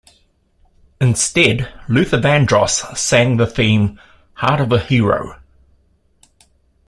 Instead, Luther Vandross sang the theme, "Heart of a Hero".